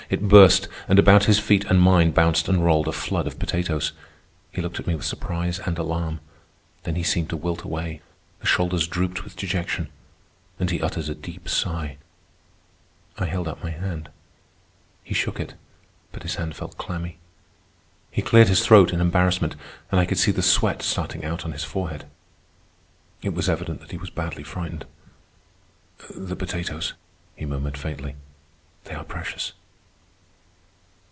It burst, and about his feet and mine bounced and rolled a flood of potatoes. He looked at me with surprise and alarm, then he seemed to wilt away; the shoulders drooped with dejection, and he uttered a deep sigh. I held out my hand. He shook it, but his hand felt clammy. He cleared his throat in embarrassment, and I could see the sweat starting out on his forehead. It was evident that he was badly frightened. "The potatoes," he murmured faintly. "They are precious."